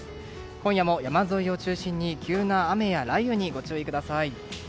今夜も山沿いを中心に急な雨や雷雨にご注意ください。